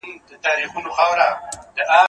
زه کولای سم خواړه ورکړم؟!